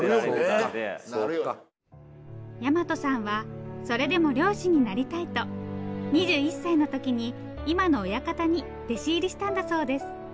大和さんはそれでも漁師になりたいと２１歳の時に今の親方に弟子入りしたんだそうです。